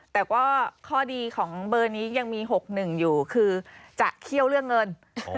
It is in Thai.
แต่ก็ข้อดีของเบอร์นี้ยังมี๖๑อยู่คือจะเขี้ยวเรื่องเงิน